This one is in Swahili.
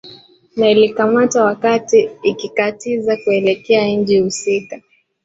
na ilikamatwa wakati ikikatiza kuelekea nchi husika